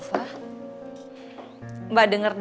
kamu mau pindah ke rumah